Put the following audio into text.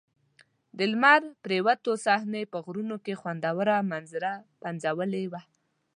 د لمر پرېوتو صحنې په غرونو کې خوندوره منظره پنځولې وه.